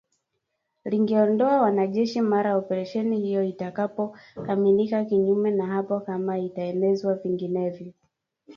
Lingeondoa wanajeshi mara operesheni hiyo itakapokamilika kinyume na hapo kama itaelekezwa vinginevyo.